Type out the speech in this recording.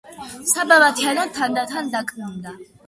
საბარათიანო თანდათან დაკნინდა.